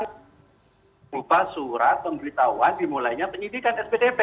berupa surat pemberitahuan dimulainya penyidikan spdp